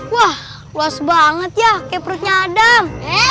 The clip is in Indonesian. wah luas banget ya kayak perutnya adam